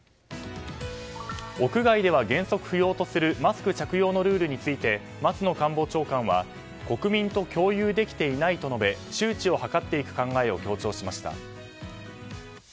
屋外では原則不要とするマスク着用のルールについて松野官房長官は国民と共有できていないと述べ周知を図っていく考えを強調しました。